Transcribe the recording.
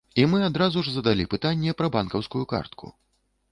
Мы адразу ж задалі пытанне пра банкаўскую картку.